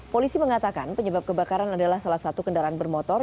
polisi mengatakan penyebab kebakaran adalah salah satu kendaraan bermotor